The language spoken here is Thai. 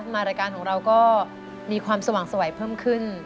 มารายการของเราก็มีความสว่างสวัยเพิ่มขึ้น